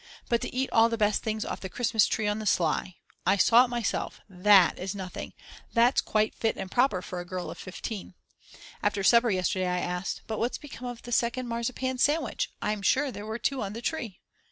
But to eat all the best things off the Christmas tree on the sly!!! I saw it myself, that is nothing. That's quite fit and proper for a girl of 15. After supper yesterday I asked: But what's become of the second marzipan sandwich, I'm sure there were two on the tree.